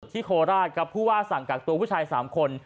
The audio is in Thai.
โคราชครับผู้ว่าสั่งกักตัวผู้ชาย๓คน